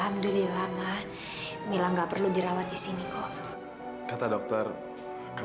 mila bangun banget ya mama